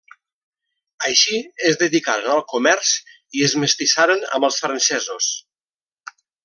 Així es dedicaren al comerç i es mestissaren amb els francesos.